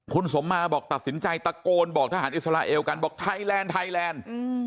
คุณสมมาบอกตัดสินใจตะโกนบอกทหารอิสราเอลกันบอกไทยแลนด์ไทยแลนด์